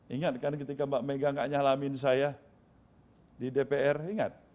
ingat kan ketika mbak mega gak nyalamin saya di dpr ingat